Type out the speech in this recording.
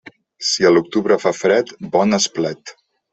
Si a l'octubre fa fred, bon esplet.